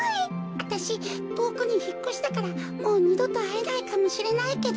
わたしとおくにひっこしたからもうにどとあえないかもしれないけど。